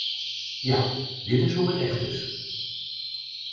Ja, dit is hoe het echt is.